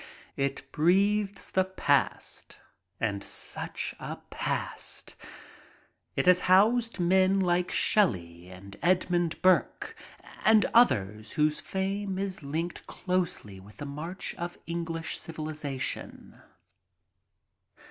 It breathes the past, and such a past! It has housed men like Shelley and Edmund Burke and others whose fame is linked closely with the march of English civilization.